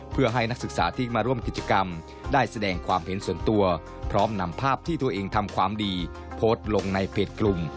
เพื่อให้นักศึกษาที่มาร่วมกิจกรรมได้แสดงความเห็นส่วนตัวพร้อมนำภาพที่ตัวเองทำความดีโพสต์ลงในเพจกลุ่ม